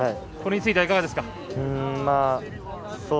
これについてはいかがですか？